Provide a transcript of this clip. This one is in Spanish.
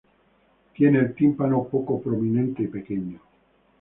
Tiene el tímpano poco prominente y pequeño.